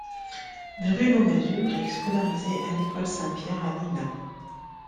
Bruno Masure est scolarisé à l'école Saint-Pierre, à Lille.